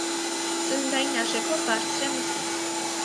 Սննդային արժեքով բարձր է մսից։